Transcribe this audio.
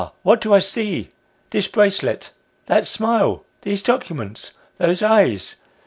what do I see ? This bracelet ! That smile ! These documents ! Those eyes